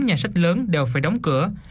nhà sách lớn đều phải đóng cửa